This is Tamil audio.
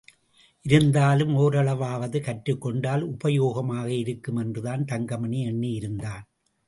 இருந்தாலும், ஓரளவாவது கற்றுக்கொண்டால் உபயோகமாக இருக்கும் என்றுதான் தங்கமணி எண்ணியிருந்தான்.